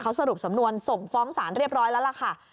สรุปสำนวนส่งฟ้องสารเรียบร้อยแล้วล่ะค่ะ